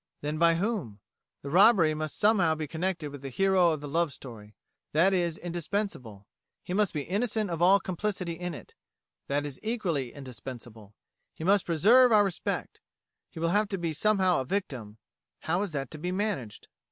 Then by whom? The robbery must somehow be connected with the hero of the love story that is indispensable; he must be innocent of all complicity in it that is equally indispensable; he must preserve our respect; he will have to be somehow a victim: how is that to be managed?